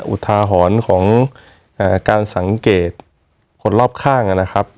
อุทาหรณ์ของการสังเกตคนรอบข้างนะครับ